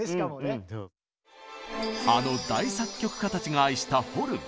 あの大作曲家たちが愛したホルン。